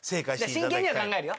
真剣には考えるよ。